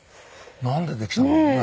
なんでできたんだろうね？